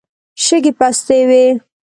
شګې پستې وې.